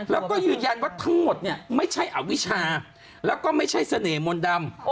แล้วก็ยืนยันว่าทั้งหมดเนี่ยไม่ใช่อวิชาแล้วก็ไม่ใช่เสน่หมนต์ดำ